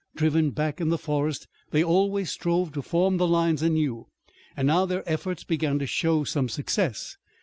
Driven back in the forest they always strove to form the lines anew, and now their efforts began to show some success.